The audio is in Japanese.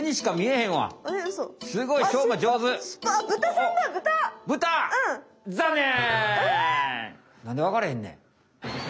なんで分かれへんねん。